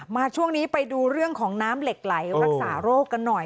ช่วงนี้ไปดูเรื่องของน้ำเหล็กไหลรักษาโรคกันหน่อย